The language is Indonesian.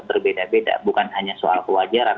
berbeda beda bukan hanya soal kewajaran